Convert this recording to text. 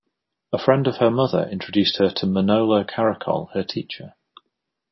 A friend of her mother introduced her to Manolo Caracol her teacher.